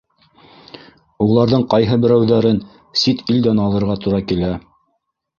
Уларҙың ҡайһы берәүҙәрен сит илдән алырға тура килә.